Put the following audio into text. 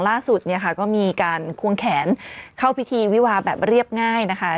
ล่าสุดเนี่ยค่ะก็มีการควงแขนเข้าพิธีวิวาแบบเรียบง่ายนะคะ